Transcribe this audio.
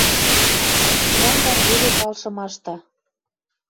Тӓмдӓн веле палшымашда